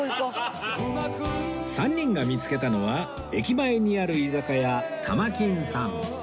３人が見付けたのは駅前にある居酒屋玉金さん